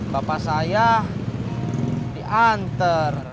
bapak saya dihantar